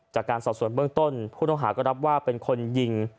จากการสอบส่วนเบื้องต้นผู้ต้องหาก็รับว่าเป็นคนยิง